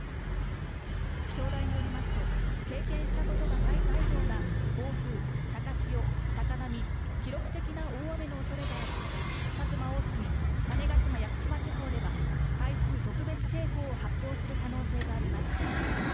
気象台によりますと、経験したことがないような暴風、高潮、高波、記録的な大雨のおそれがあり、薩摩、大隅、種子島・屋久島地方では、台風特別警報を発表する可能性があります。